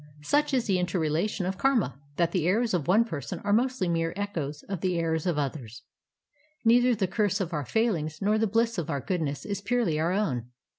Such is the inter relation of karma that the errors of one person are mostly mere echoes of the errors of others. Neither the curse of our failings nor the bhss of our goodness is purely our own.